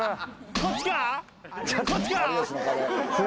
こっちか。